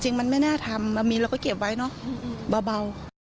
จริงมันไม่น่าทำเรามีเราก็เก็บไว้เนอะเบา